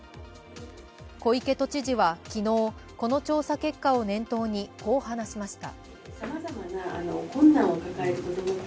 小池都知事は昨日、この調査結果を念頭にこう話しました。